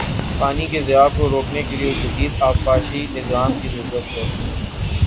پانی کے ضیاع کو روکنے کے لیے جدید آبپاشی نظام کی ضرورت ہے